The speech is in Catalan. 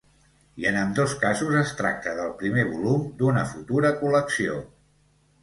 I en ambdós casos es tracta del primer volum d’una futura col·lecció.